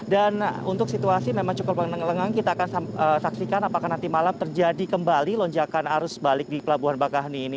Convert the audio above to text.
dan untuk situasi memang cukup lengang lengang kita akan saksikan apakah nanti malam terjadi kembali lonjakan arus balik di pelabuhan bakahuni ini